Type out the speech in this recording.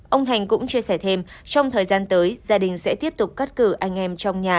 ông thành cũng chia sẻ thêm trong thời gian tới gia đình sẽ tiếp tục cắt cử anh em trong nhà